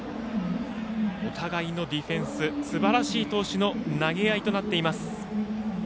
お互いのディフェンスすばらしい投手の投げ合いとなっています。